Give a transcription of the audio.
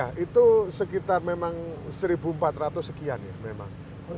ya itu sekitar memang satu empat ratus sekian ya memang